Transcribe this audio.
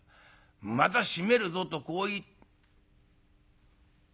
『また締めるぞ』とこう言」。